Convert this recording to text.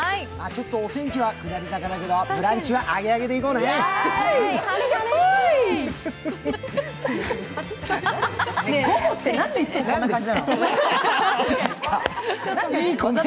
ちょっとお天気は下り坂だけど「ブランチ」はアゲアゲでいこうね！